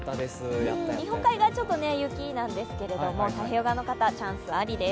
日本海側、ちょっと雪なんですけれども、太平洋側の方、チャンスありです。